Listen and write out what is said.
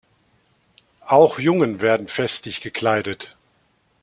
Auch Jungen werden festlich gekleidet.